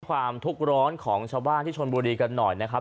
ความทุกข์ร้อนของชาวบ้านที่ชนบุรีกันหน่อยนะครับ